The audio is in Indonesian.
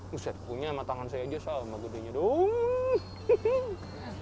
buset kukunya sama tangan saya aja sama gedenya dong